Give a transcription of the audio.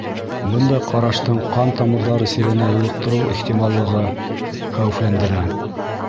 Бындай ҡараштың ҡан тамырҙары сиренә юлыҡтырыу ихтималлығы хәүефләндерә.